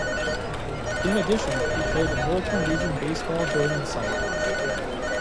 In addition, he played American Legion Baseball during the summer.